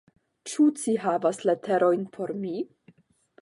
Ĉu ci havas leterojn por mi?